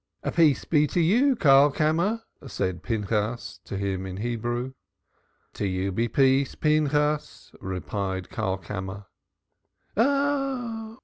"Peace be to you, Karlkammer!" said Pinchas to him in Hebrew. "To you be peace, Pinchas!" replied Karlkammer. "Ah!"